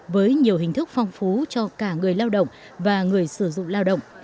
với nhiều hình thức phong phú cho cả người lao động và người sử dụng lao động